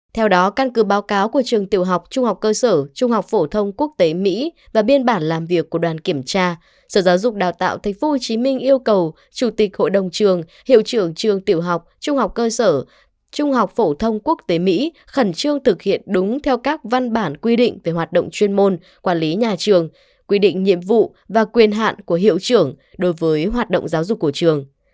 theo đó căn cứ báo cáo của trường tiểu học trung học cơ sở trung học phổ thông quốc tế mỹ và biên bản làm việc của đoàn kiểm tra sở giáo dục đào tạo thành phố hồ chí minh yêu cầu chủ tịch hội đồng trường hiệu trưởng trường tiểu học trung học cơ sở trung học phổ thông quốc tế mỹ khẩn trương thực hiện đúng theo các văn bản quy định về hoạt động chuyên môn quản lý nhà trường quy định nhiệm vụ và quyền hạn của hiệu trưởng đối với hoạt động giáo dục của trường